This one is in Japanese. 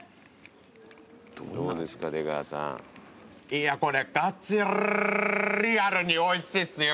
「いやこれガチリアルにおいしいっすよ